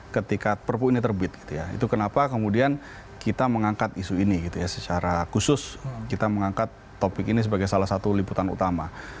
ketika perpu ini terbit gitu ya itu kenapa kemudian kita mengangkat isu ini gitu ya secara khusus kita mengangkat topik ini sebagai salah satu liputan utama